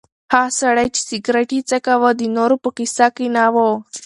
هغه سړی چې سګرټ یې څکاوه د نورو په کیسه کې نه و.